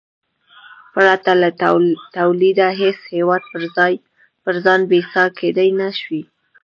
پرته له تولیده هېڅ هېواد پر ځان بسیا کېدای نه شي.